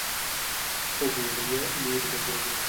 خو ګولۍ يې ليرې لګېدې.